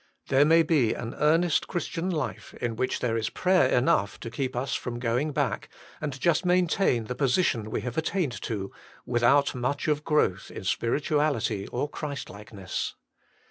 There may be an earnest Christian life in which there is prayer enough to keep us from going back, and just maintain the position we have attained to, without much of growth in spirituality or Christ likeness.